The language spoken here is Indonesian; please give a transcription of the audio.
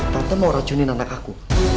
tante mau racunin anak aku